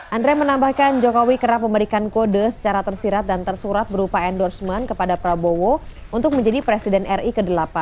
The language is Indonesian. andre menambahkan jokowi kerap memberikan kode secara tersirat dan tersurat berupa endorsement kepada prabowo untuk menjadi presiden ri ke delapan